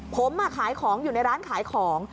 ผมขายของอยู่ในร้านขายของ